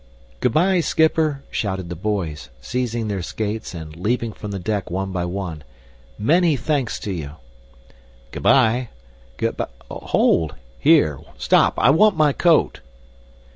"Good bye, schipper!" shouted the boys, seizing their skates and leaping from the deck one by one. "Many thanks to you!" "Good bye! good b Hold! Here! Stop! I want my coat."